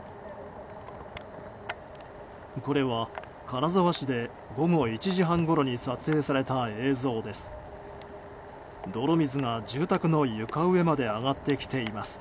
これは金沢市で午後１時半ごろに撮影された映像です。